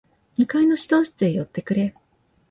二階の指導室へ寄ってくれ。